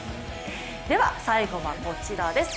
では、最後はこちらです。